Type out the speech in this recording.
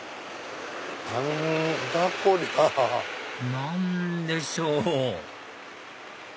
何でしょう？